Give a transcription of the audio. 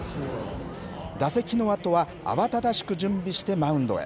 打席のあとは慌ただしく準備してマウンドへ。